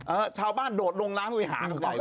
เออชาวบ้านโดดลงร้านไปหาตรงไหนเลย